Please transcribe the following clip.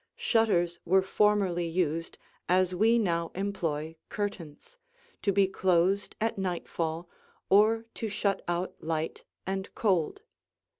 Shutters were formerly used as we now employ curtains, to be closed at night fall or to shut out light and cold.